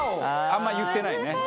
あんま言ってないね。